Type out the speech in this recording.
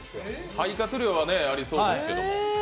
肺活量はありそうですけど。